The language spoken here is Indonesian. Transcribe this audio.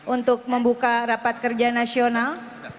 untuk membuka rapat kerja nasional